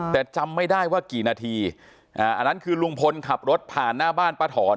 แต่จำไม่ได้ว่ากี่นาทีอันนั้นคือลุงพลขับรถผ่านหน้าบ้านป้าถอน